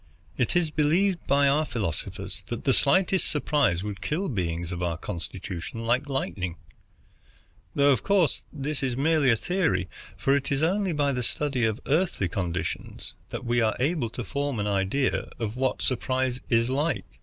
"It is believed by our philosophers that the slightest surprise would kill beings of our constitution like lightning; though of course this is merely theory, for it is only by the study of Earthly conditions that we are able to form an idea of what surprise is like.